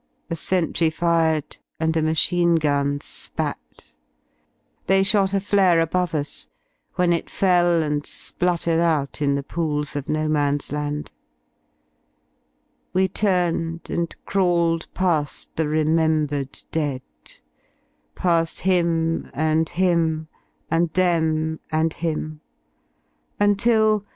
A sentry fired and a machine gun spat; They shot a flare above us, when it fell And spluttered out in the pools of No Man^s Land, We turned and crawled pa^ the remembered dead: Pafi him and him, and them and him, until.